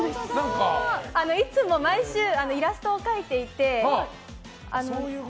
いつも毎週イラストを描いていて。